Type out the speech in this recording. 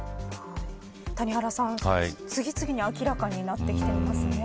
谷原さん、次々に明らかになってきていますね。